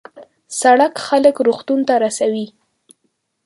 سړک خلک روغتون ته رسوي.